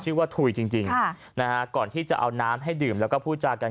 ชื่อว่าถุยจริงจริงค่ะนะฮะก่อนที่จะเอาน้ำให้ดื่มแล้วก็พูดจากกัน